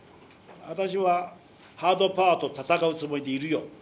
私はハードパワーと闘うつもりでいるよ。